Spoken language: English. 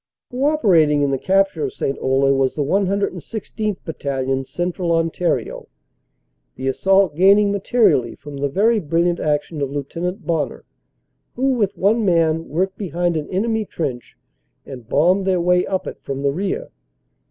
Co operating in the capture of St. Olle was the 116th. Bat talion, Central Ontario, the assault gaining materially from the very brilliant action of Lieut. Bonner who with one man worked behind an enemy trench and bombed their way up it from the rear.